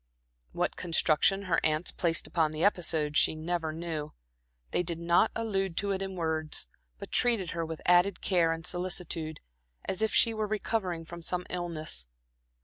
What construction her aunts placed upon the episode she never knew. They did not allude to it in words, but treated her with added care and solicitude, as if she were recovering from some illness.